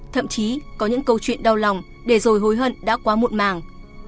thậm chí có những câu chuyện đau lòng để rồi hối hận đã quá muộn màng